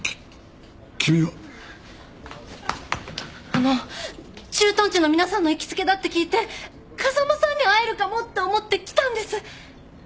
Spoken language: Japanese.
あの駐屯地の皆さんの行きつけだって聞いて風間さんに会えるかもって思って来たんです！